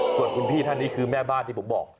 ส่วนคุณพี่ท่านนี้คือแม่บ้านที่ผมบอก